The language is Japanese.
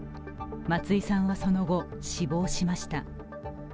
松井さんはその後、死亡しました。